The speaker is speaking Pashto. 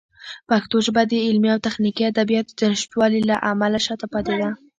پښتو ژبه د علمي او تخنیکي ادبیاتو د نشتوالي له امله شاته پاتې ده.